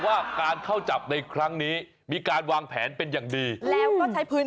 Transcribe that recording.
เวลาจำนวนมากูวิ่งแบบพี่ตูน